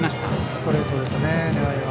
ストレートですね、狙いは。